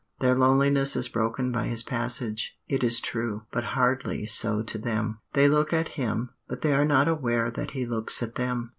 Their loneliness is broken by his passage, it is true, but hardly so to them. They look at him, but they are not aware that he looks at them.